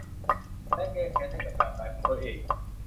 และแก้แค้นให้กับการตายของตัวเอง